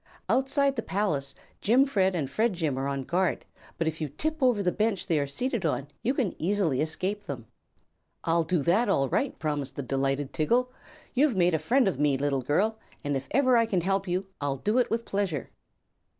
Outside the palace Jimfred and Fredjim are on guard, but if you tip over the bench they are seated on you can easily escape them." "I'll do that, all right," promised the delighted Tiggle. "You've made a friend of me, little girl, and if ever I can help you I'll do it with pleasure."